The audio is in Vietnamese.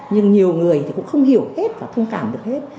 nhưng nhiều người thì cũng không hiểu hết và thông cảm được hết